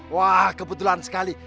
wah kebetulan sekali